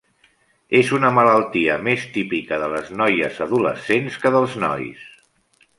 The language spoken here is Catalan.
És una malaltia més típica de les noies adolescents que dels nois.